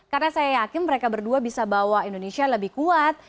karena saya yakin mereka berdua bisa bawa indonesia lebih kuat